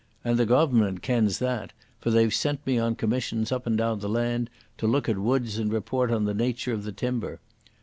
And the Goavernment kens that, for they've sent me on commissions up and down the land to look at wuds and report on the nature of the timber.